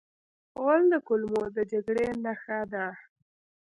غول د کولمو د جګړې نښه ده.